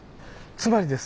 つまりですね。